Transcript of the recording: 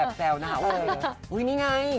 แอบแจวนะคะโอ้ยนี่ไง